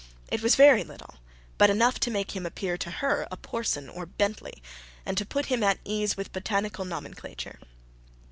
It was very little, but enough to make him appear to her a Porson or Bentley, and to put him at his ease with botanical nomenclature.